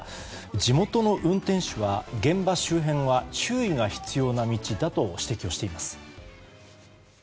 地元の運転手は現場周辺は注意が必要な道だと指摘をしています。